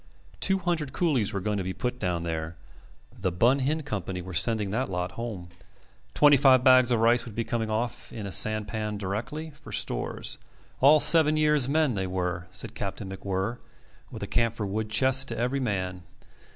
Two hundred coolies were going to be put down there. The Bun Hin Company were sending that lot home. Twenty five bags of rice would be coming off in a sampan directly, for stores. All seven years' men they were, said Captain MacWhirr, with a camphor wood chest to every man.